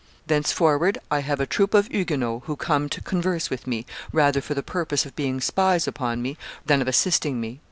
... Thenceforward I have a troop of Huguenots, who come to converse with me, rather for the purpose of being spies upon me than of assisting me.